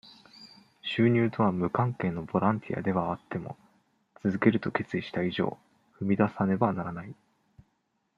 収入とは無関係のボランティアではあっても、続けると決意した以上、踏み出さねばならない。